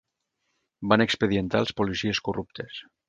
Van expedientar els policies corruptes.